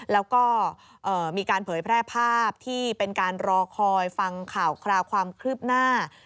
แล้วก็มีการเผยแพร่ภาพที่เป็นการรอคอยฟังข่าวคราวความคืบหน้า